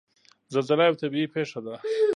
زلزله یوه طبعي پېښه ده.